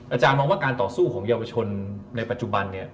อาจารย์มองว่าการต่อสู้ของเยาวชนในปัจจุบันเนี่ย